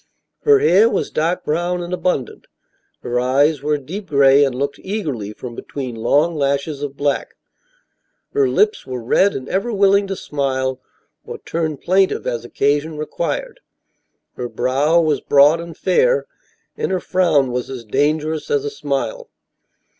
Her hair was dark brown and abundant; her eyes were a deep gray and looked eagerly from between long lashes of black; her lips were red and ever willing to smile or turn plaintive as occasion required; her brow was broad and fair, and her frown was as dangerous as a smile.